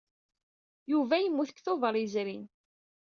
Yuba yemmut deg Tubeṛ yezrin.